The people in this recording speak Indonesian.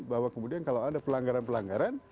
bahwa kemudian kalau ada pelanggaran pelanggaran